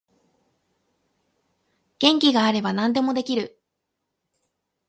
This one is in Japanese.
元気があれば何でもできる